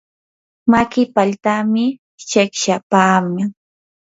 maki paltami shiqshipaaman.